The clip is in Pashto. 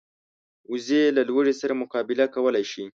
وزې له لوږې سره مقابله کولی شي